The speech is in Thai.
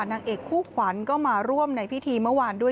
นางเอกคู่ขวัญก็มาร่วมในพิธีเมื่อวานด้วย